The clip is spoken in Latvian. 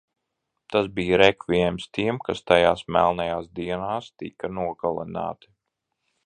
Tas bija rekviēms tiem, kas tajās melnajās dienās tika nogalināti.